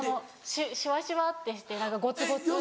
シワシワってして何かゴツゴツって。